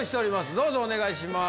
どうぞお願いします。